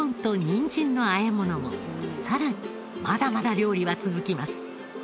さらにまだまだ料理は続きます。